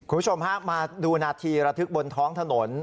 คุณผู้ชมฮะมาดูนาทีระทึกบนท้องถนน